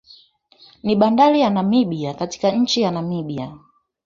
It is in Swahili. Ni bandari ya Namibia katika nchi ya Namibia